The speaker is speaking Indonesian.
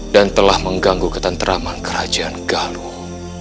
dan telah mengganggu ketentraman kerajaan galuh